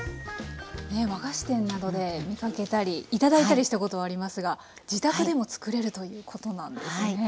ね和菓子店などで見かけたり頂いたりしたことありますが自宅でも作れるということなんですね。